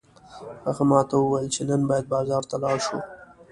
هغه ماته وویل چې نن باید بازار ته لاړ شو